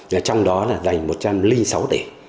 và trong đó là dành một trăm linh sáu tỷ